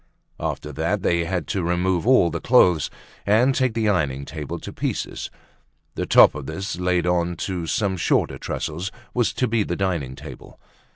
After that they had to remove all the clothes and take the ironing table to pieces; the top of this laid on to some shorter trestles was to be the dining table.